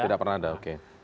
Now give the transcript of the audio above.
tidak pernah ada oke